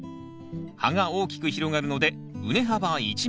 葉が大きく広がるので畝幅１ｍ。